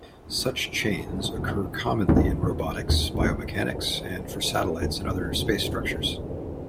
Such chains occur commonly in robotics, biomechanics, and for satellites and other space structures.